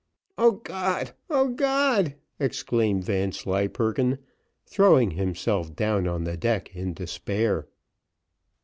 "O God O God!" exclaimed Vanslyperken, throwing himself down on the deck in despair.